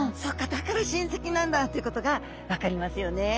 だから親せきなんだということが分かりますよね。